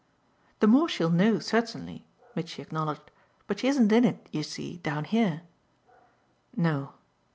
"The more she'll know, certainly," Mitchy acknowledged. "But she isn't in it, you see, down here." "No.